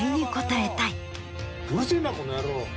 うるせぇなこの野郎。